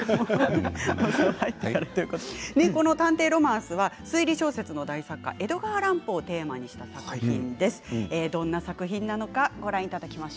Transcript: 「探偵ロマンス」は推理小説の大作家、江戸川乱歩をテーマにした作品です。